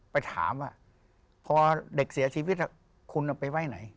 ไปถามว่าพอเด็กเสียชีวิตคุณเอาไปไว้ไหน